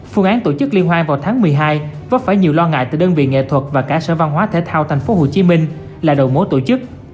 phương án tổ chức liên hoan vào tháng một mươi hai vấp phải nhiều lo ngại từ đơn vị nghệ thuật và cả sở văn hóa thể thao tp hcm là đầu mối tổ chức